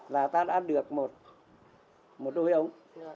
và ta đã được một đôi ống